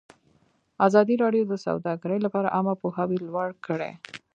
ازادي راډیو د سوداګري لپاره عامه پوهاوي لوړ کړی.